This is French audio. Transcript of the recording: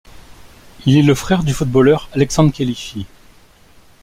Il est le frère du footballeur Alexandre Khelifi.